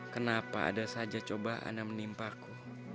kenapa ada saja cobaan yang menimparku